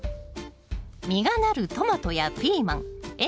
実がなるトマトやピーマンエンドウ。